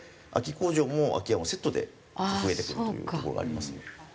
工場も空き家もセットで増えてくるというところがありますね。